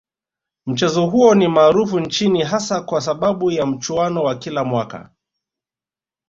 Mchezo huo ni maarufu nchini hasa kwa sababu ya mchuano wa kila mwaka